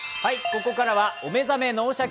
ここからは「お目覚め脳シャキ！